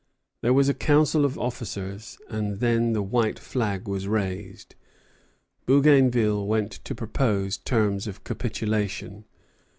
There was a council of officers, and then the white flag was raised. Bougainville went to propose terms of capitulation.